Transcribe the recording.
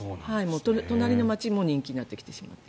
隣の町も人気になってきてしまっている。